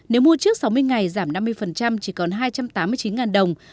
nếu mua trước sáu mươi ngày giảm năm mươi chỉ còn hai trăm tám mươi chín đồng